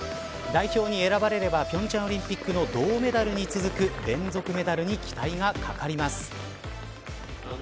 代表に選ばれれば平昌オリンピックの銅メダルに続く連続メダルに期待が懸かります。